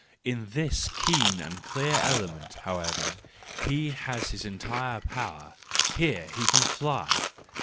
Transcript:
In this keen and clear element, however, he has his entire power: here he can fly